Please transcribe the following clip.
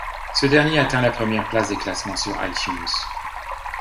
Ce dernier atteint la première place des classements sur iTunes.